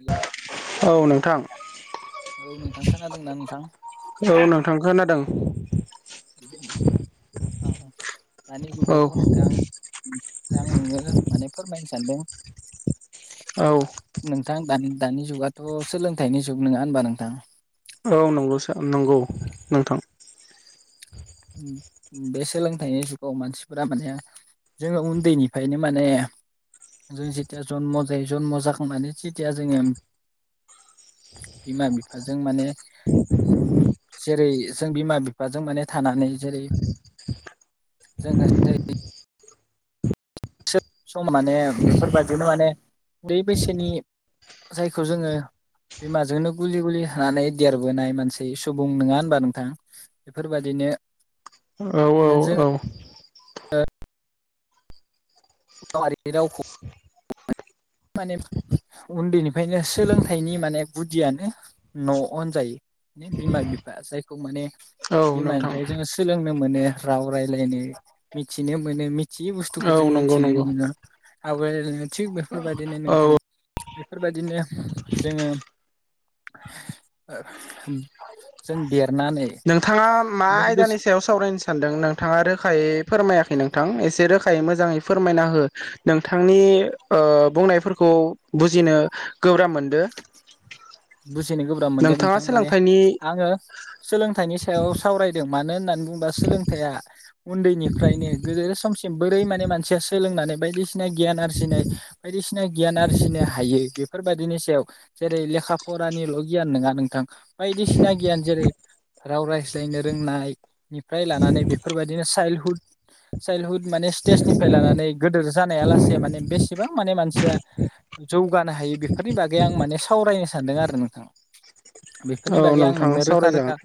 Hello औ नोंथां। औ नोंथां, खोनादोंना नोंथां? औ नोंथां खोनादों [inaudible] दानि औ जुगावथ' नोंथां आं नोंनो माने फोरमायनो सानदों औ नोंथां दानि दानि जुगाथ' सोलोंथाइनि जुग नङा होनबा नोंथां? औ नंगौ सा नंगौ नोंथां। बे सोलोंथाइनि जुगाव मानसिफोरा माने जोङो उन्दैनिफायनो माने जों जिथिया जन्म' जायो जन्म' जाखांनानै जिथिया जोङो बिमा बिफाजों माने जेरै जों बिमा बिफाजों माने थानानै जेरै जोङो जेरै सो सम माने बेफोर बायदिनो माने उन्दै बैसोनि जायखौ जोङो बिमाजोंनो गुलि गुलि थानानै देरबोनाय मानसि सुबुं नङा होनबा नोंथां बेफोर बादि नो औ औ औ। ओ गावारि रावखौ माने उन्दैनिफायनो सोलोंथाइनि माने गुदियानो न' होनजायो। बिमा बिफा जायखौ माने औ नोंथां बिमानिफ्राय जोङो सोलों नो मोनो राव रायलायनो मिथिनो मोनो मिथियै बुस्थुखौ औ जों नंगौ मिथिनो नंगौ मोनो। आवगायलायनो थिक बेफोर बादिनो औ नोंथां बेफोर बादिनो जोङो ओ जों देर नोंथाङा मा आयदानि सायाव सावरायनो सानदों नोंथाङा रोखायै फोरमायाखै नोंथां एसे रोखायै मोजाङै फोरमायना हो नोंथांनि ओ बुंनायफोरखौ खौ बुजिनो गोब्राब मोनदो [inaudible] बुजिनो गोब्राब मोनदों नोंथाङा नोंथां माने सोलोंथाइनि आङो सोलोंथाइनि सायाव सावरायदों मानो होननानै बुंबा सोलोंथाइया उन्दैनिफ्रायनो गिदिर समसिम बोरै माने मानसिया सोलोंनानै बायदिसि ना गियान आरजिनाय बायदिसिना गियान आरजिनो हायो बेफोर बायदिनि सायाव जेरै लेखा फरानिल' गियान नङा नोंथां बायदिसिना गियान जेरै राव रायज्लायनो रोंनायनिफ्राय लानानै बेफोरबादिनो चाइल्डहुद, चाइल्डहुद माने नेक्स्ट स्थेसनिफ्राय लानानै गोदोर जानायालासे माने बेसेबां माने मानसिया जौगानो हायो। बेफोरनि बागै आं माने सावरायनो सानदों आरो नोंथां। बेफोरनि औ बागै आं नोंथां नोंनो रोखा सावरायजागोन रोखा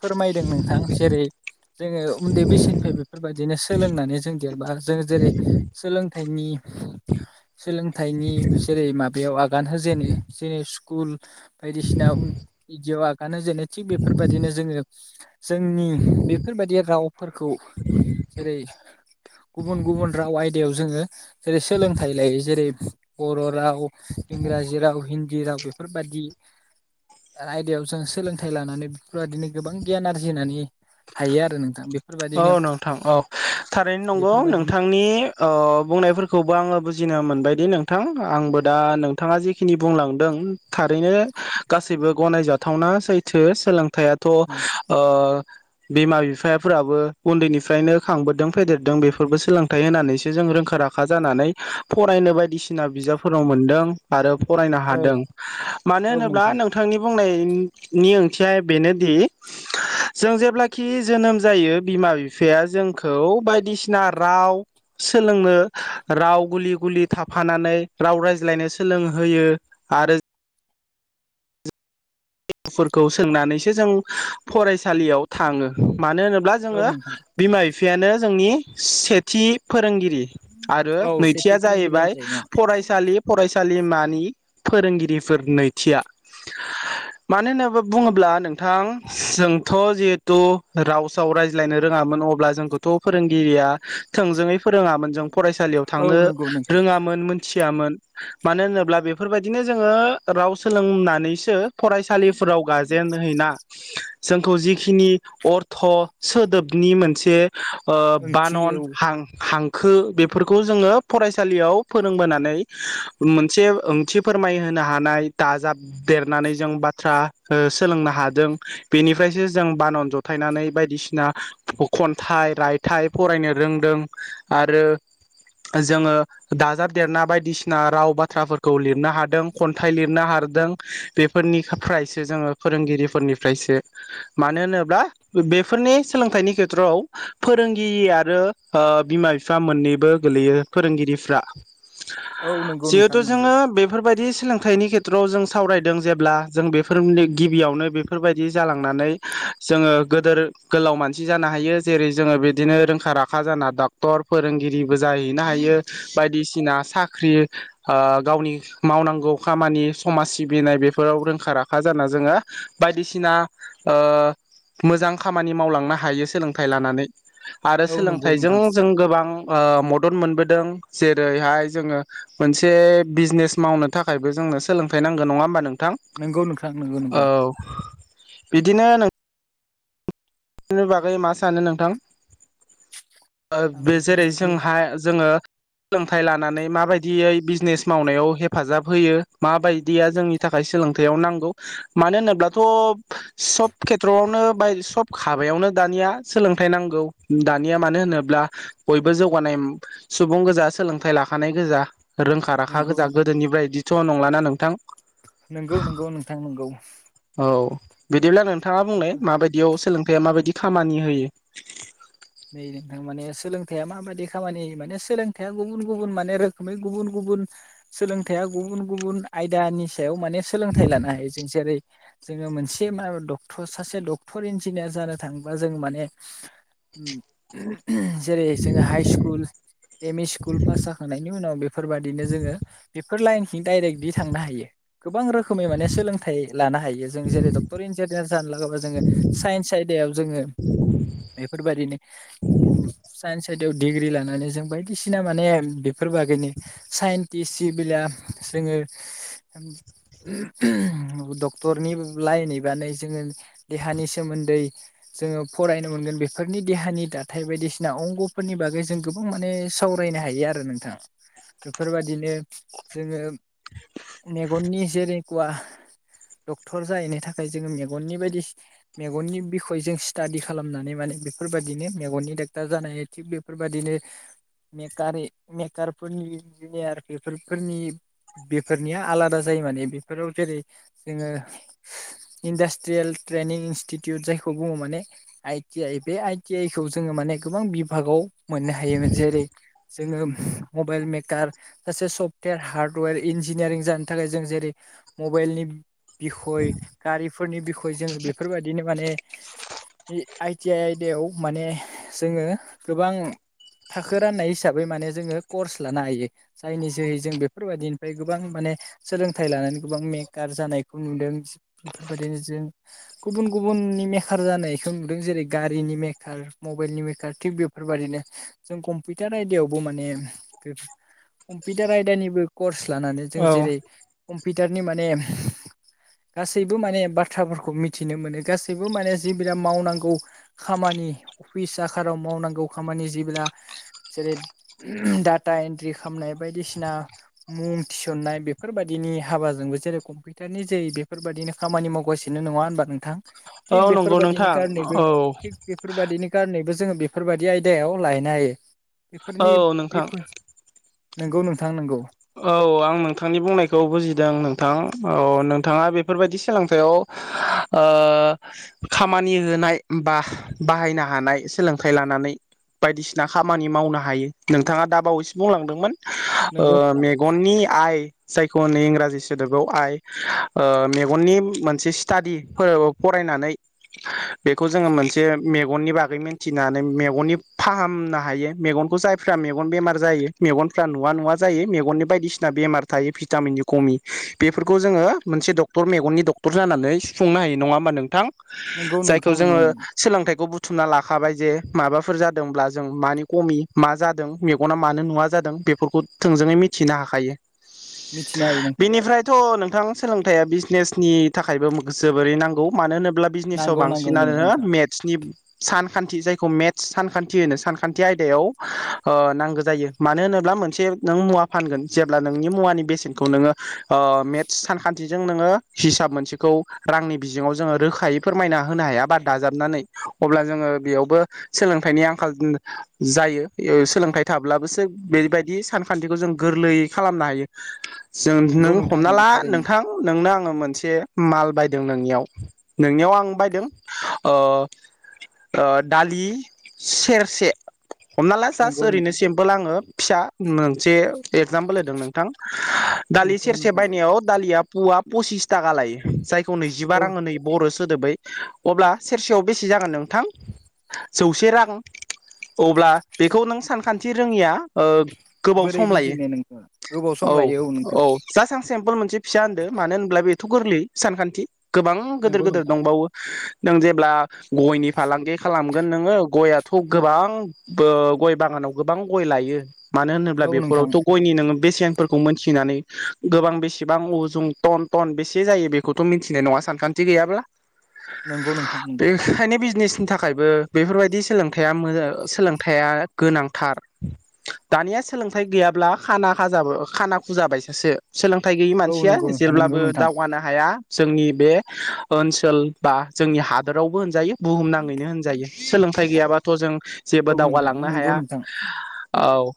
फोरमायदों नोंथां जेरै जोङो उन्दै बैसोनिफ्राय बेफोरबाय दिनो सोलोंनानै जों देरबा जों जेरै सोलोंथाइनि सोलोंथाइनि जेरै माबायाव आगान होजेनो जेरै स्कुल बायदिसिना बिदियाव आगान होजेने थिक बेफोरबायदिनो जोङो जोंनि बेफोरबायदि रावफोरखौ जेरै गुबुन गुबुन राव आयदायाव जोङो जेरै सोलोंथाइ लायो जेरै बर' राव इंराजि राव हिन्दी राव बेफोरबादि आयदायाव जों सोलोंथाइ लानानै बेफोरबादिनो गोबां गियान आरजिनानै हायो आरो नोंथां बे औ नोंथां औ थारैनो नंगौ बेफोरबायदिनो नोंथांनि ओ बुंनायफोरखौबो आङो बुजिनो मोनबायदि नोंथां आंबो दा नोंथाङा जेखिनि बुंलांदों थारैनो गासै गनायजाथावना सैथो सोलोंथायाथ ओ बिमा बिफ फोराबो उन्दैनिफ्रायनो खांबोदों फेदेरदों बेफोरबो सोलोंथाइ होनानैसो जों रोंखा राखा जानानै। फरायनो बायदिसिना बिजाबफोरनाव मोनदों आरो फरायनो औ हादों मानो औ होनोब्ला नोंथां नोंथांनि बुं ओंथिया बेनोदि जों जेब्लाखि जोनोम जायो बिमा बिफाया जोंखौ बायदिसिना राव। सोलोंनो राव गुलि गुलि थाफानानै राव रायज्लायनो सोलोंहोयो। आरो फोरखौ सोंनानैसो जों फरायसालियाव थाङो। मानो होनोब्ला औ जोङो नोंथां बिमा बिफायानो जोंनि सेथि फोरोंगिरि। आरो औ सेथि नैथिया फोरोंगिरि जाहैबाय होनजायो फरायसालि फ फानसालिमानि फोरोंगिरिफोर नैथिया [unintelligible] मानो होनोब्ला बुङोब्ला नोंथां जोंथ' जिहेथु रावसाव रायज्लायनो रोङामोन। अब्ला जोंखौथ' फोरोंगिरिया थोंजोङै फोरोङामोन जों फरायसालियाव औ थांनो नंगौ नोंथां रोङामोन मोन मानो होनोब्ला बेफोरबायदिनो जोङो राव सोलोंनानैसो फ सालिफोराव गाजेन हैैना। जोंखौ जिखिनि अर्थ' सोदोबनि मोनसे ओ ओंथि औ बानन हां हां खौ बेफोरखौ जोङो फरायसालियाव फोरोंबोनानै मोनसे ओंथि फोरमाय होनो। हानाय दाजाब देरनानै जों ब बाथ्रा सोलोंनो हादों बेनिफ्रायसो जों बानन जथायनानै बायदिसिना। खन्थाइ रायथाइ फरायनो रोंदों आरो जोङो दाजाबदेरना बायदिसिना राव बाथ्राफोरखौ लिरनो हादों खन्थाइ लिरनो हादों। बेफोरनिफ्रायसो जोङो फोरोंगिरिफोरनिफ्रायसो। मानो होनोब्ला बेफोरनि सोलोंथाइनि खेथ्रआव फोरोंगिरि आरो बिमा बिफा मोननैबो गोलैयो फोरोंगिरिफ्रा। औ नंगौ नोंथां जिहेथु नंगौ जोङो बेफोरबायदि सोलोंथाइनि खेथ्रआव जों सावरायदों जेब्ला जों बेफोरनि गिबियावनो बेफोरबायदि जालांनानै जोङो गोदोर गोलाव मानसि जाना। हायो जेरै जोङो बिदिनो रोंखा राखा जाना डक्टर फोरोंगिरिबो जाहैनो हायो बायदिसिना। सिना साख्रि ओ गावनि मावनांगौ खामानि समाज सिबिनाय बेफोराव । रोखा राखा जाना जोङो बायदिसिना ओ मोजां खामानि मावलांनो हायो सोलोंथाइ लानानै आरो औ नंगौ सोलोंथाइजों नोंथां जों गोबां। ओ मदद मोनबोदों जेरैहाय जोङो मोनसे बिजनेस मावनो थाखायबो जों। नो सोंलोंथाइ नांगो नङा होमबा नों नंगौ नोंथां नंगौ नंगौ बिदिनो नों बेनि बागै मा सानो नोंथां ओ आं बे बेफोरनि जेरै बागै जोंहा जोङो सोलोंथाइ लानानै माबायदियै बिजनेस मावनायाव हेफाजाब होयो माबायदिया जोंनि थाखाय थाखाय सोलोंथाइयाव नांगौ मानो होनोब्लाथ' सब खेथ्रआवनो बाय सब हाबायावनो दानिया सोलोंथाइ नांगौ दानिया मानो होनोब्ला बयबो जौगानाय सुबुं गोजा सोलोंथाइ लाखानाय गोजा रोंखा राखा नंगौ गोजा गोदोनिफ्राय बायदिथ' नंलाना नोंथां नंगौ नंगौ नोंथां नंगौ औ बिदिब्ला नोंथाङा बुंनाय बेफोर माबायदियाव थाइया माबायदि खामानि होयो नै नोंथां माने सोलोंथाइया माबायदि खामानि माने सोलोंथाइया गुबुन गुबुन माने रोखोमै गुबुन गुबुन गुबुन सोलोंथाइया गुबुन गुबुन आयदानि सायाव माने सोलोंथाइ लानो हायो जों जेरै जोङो मोनसे मा डक्टर सासे डक्टर इन्जिनियार जानो थाङोबा जों माने जेरै जोङो high school M E school pass जाखांनायनि उनाव बेफोरबायदिनो जोङो डायरेक्टलि थांनो हायो गोबां रोखोमै माने सोलोंथाइ लानो हायो जों जेरै डक्टर इन्जिनियार जानो नांगौबा जोङो साइन्स आयदायाव जोङो उम साइन्स आयदायाव डिग्रि लानानै जों बायदिसिना माने बे फोर बागैनो साइन्टिस जि बिला जोङो डक्टरनि लाइन एबानो जोङो देहानि सोमोन्दै जोङो फरायनो मोनगोन बे फोरनि देहानि दाथाय बायदिसिना अंग'फोरनि बागै जों गोबां माने सावरायनो हायो आरो नोंथां। बेफोरबायदिनो जोङो मेगननि [unintelligible] डक्टर जाहैनो थाखाय जोङो मेगननि बायदि मेगननि बिखय जों स्टादि खालामनानै माने बेफोरबादिनो मेगननि डाक्टार जानाय थिग बेफोरबादिनो मेकारे मेकारफोरनि इन्जिनियार बेफोरफोरनि बेफोरनिया आलादा जायो माने बेफोराव जेरै जोङो इन्डास्ट्रियेल ट्रेनिं इनस्टिटिउट जायखौ बुङो माने आइ टि आइ बे आइ टि आइ खौ जोङो माने गोबां बिभागाव मोननो हायो जेरै जोङो मबाइल मेकार सासे सफ्टवेर हार्डवेर इन्जिनियारिं जानो थाखाय जों जेरै मबाइलनि बिखय गारिफोरनि बिखय जोङो बेफोरबायदिनो माने आइ टि आइ आइदायाव माने जोङो गोबां थाखो राननाय हिसाबै माने जोङो कर्स लानो हायो जायनि जोहै जों बेफोरबायदिनिफ्राय गोबां माने सोलोंथाइ लानानै गोबां मेकार जानायखौ नुदों बेफोरबायदिनो जों गुबुन गु बुननि मेकार जानायखौ नुदों जेरै गारिनि मेकार मबाइलनि मेकार थिक बेफोरबायदिनो जों कम्पिउटार आयदायावबो माने कम्पिउटार आयदानिबो कर्स लानानै जों औ जेरै कम्पिउटारनि माने गासैबो माने बाथ्राफोरखौ मिथिनो मोनो गासैबो माने जि बिराद मावनांगौ खामानि अफिस आखाराव मावनांगौ खामानि जेब्ला जेरै डा टा एन्ट्रि खामनाय बायदिसिना मुं थिसननाय बेफोर बायदिनि हाबा जोंबो जेरै कम्पिउटार नि जोहै बेफोरबादिनो खामानि मावगासिनो नङा होनबा नोंथां थिग औ नंगौ बेफोरबायदिनि नोंथां कारनेबो औ थिग बेफोरबायदिनि कारनेबो जोङो बेफोरबायदि आयदायाव लाहैनो हायो औ बेफोरनि नोंथां बिखुन नंगौ नोंथां नंगौ। औ आं नोंथांनि बुंनायखौ बुजिदों नोंथां औ नोंथाङा बेफोरबायदि सोलोंथाइयाव ओ खामानि होनाय बा बाहायनो हानाय सोलोंथाइ लाना नै बायदिसिना खामानि मावनो हायो नोंथाङा दा बावैसो बुंलांदोंमोन ओ नोंगौ नोंथां मेगननि आइ जायखौ नै इंराजि सोदोबआव आइ ओ मेगननि मोनसे स्टाडि फोराव फराय होनानै बेखौ जोङो मोनसे मे गननि बागै मोनथिनानै मेगननि फाहामना हायो मेगनखौ जाय फ्रा मेगन बेमार जायो मेगन फ्रा नुवा नुवा जायो मे गननि बायदिसिना बेमार थायो भिटामिननि खमि बेफोरखौ जोङो मोनसे डक्टर मेगननि डक्टर जाना नै सुफुंनो हायो नङा होमबा नोंथां नोंगौ जायखौ नोंथां जोङो नोंगौ नोंगौ सोलोंथाइखौ बु थुमना लाखाबाय जे माबाफोर जादोंब्ला जों मानि खमि मा जादों मेगना मानो नुवा जादों बेफोरखौ थोंजोङै मिथिनो हाखायो मिथिनो हायो नोंथां बेनिफ्रायथ' नोंथां सोलोंथाइया बिजनेसनि थाखायबो जोबोरैनो नांगौ मानो होनो ब्ला बिजनेसाव नांगौ नांगौ नंगौ बांसिनानो नोंथां मेथ्सनि सानखान्थि जायखौ मेथ्स सानखान्थि होनो सानखान्थि आयदायाव ओ नांगो जायो मानो होनो ब्ला मोनसे नों मुवा फानगोन जेब्ला नोंनि मुवानि बेसेनखौ नोङो अ मेथ्स सानखान्थिजों नोङो हिसाब मोनसेखौ औ रांनि बिजोङाव जोङो रोखायै फोरमायना होनो हाया बा दाजाबनानै अब्ला जोङो बेयावबो सोलोंथाइनि आंखाल [unintelligible] जायो सोलोंथाइ थाब्लाबोसो बेबायदि सानखान्थिखौ जों गोरलै खालामनो हायो जों नोंगौ नों नोंथां हमना नोंगौ ला थारैनो नोंथां नोंनो आङो मोनसे माल बायदों नोंनियाव नोंनियाव आं बायदों ओ ओ दालि सेरसे । हमना ला जास नोंगौ ओरैनो नोंथां सेम्पोल आङो फिसा मोमसे एगजामपोल होदों नोंथां दालि नोंगौ सेरसे नोंथां बायनायाव दालिया पुवा पसिस थाका लायो । जायखौ नैजिबा औ राङो नै बर' सोदोबै अब्ला सेरसेयाव बेसे जागोन नोंथां । अब्ला बेखौ नों सानखान्थि रोङिया ओ गोबाव बोरै सम लायो । बुजिनो नोंथां गोबाव सम लायो औ नोंथां औ-औ जास्ट आं सेम्पोल मोनसे फिसा होनदो मानो होनब्ला बे थु गोरलै सानखान्थि गोबां नोंगौ गोदोर-गोदोर नोंथां दंबावो नों जेब्ला गयनि फालांगे खालामगोन नोङो गयया थ' गोबां बो गय बागानाव गोबां औ नोंथां नि नोङो बेसेंफोरखौ मोनथिनानै गोबां बेसेबां उ जुं टन टन बेसे जायो बेखौथ' मिनथि थिनाय नङा सानखान्थि गैयाब्ला । नंगौ नोंथां नंगौ । फिन थाखायबो बेफोरबायदि सोलोंथाया मोजो सोलोंथायाइया गोनांथार । दानिया सोलोंथाइ गैयाब्ला खाना खाजाबो खाना खुजाबाय सासो । सोलोंथाइ गैयि औ मानसिया नंगौ नंगौ जेब्लाबो नोंथां दावगानो हाया । जोंनि बे ओनसोल बा जोंनि हादोरावबो होनजायो । बुहुम नाङैनो होनजायो सोलोंथाइ गैयाबाथ' जों औ जेबो नोंथां दावगालांनो नंगौ हाया नोंथां औ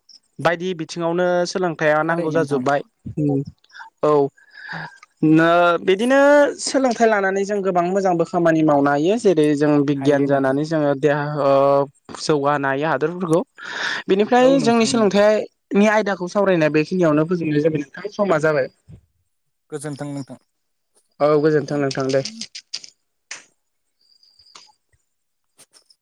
बायदि बिथिङावनो सोलोंथाइया थारै नांगौ नोंथां जाजोब्बाय उम औ नो बिदिनो सोलों थो लानानै जों गोबां मोजांबो खामानि मावनो हायो जेरै जों बिगियान हायो नोंथां जानानै जोङो । देहा होब जौगानायो हादरफोरखौ बेनिफ्राय औ जोंनि नोंथां नंगौ सोलोंथाइ नि आयदाखौ सावरायनाय बेखिनियावनो फोजोबनाय जाबाय नोंथां समा जाबाय गोजोन्थों । नोंथां। औ गोजोनथों नोंथां दे ।